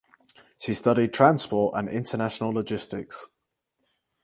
She studied transport and international logistics.